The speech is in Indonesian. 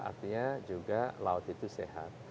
artinya juga laut itu sehat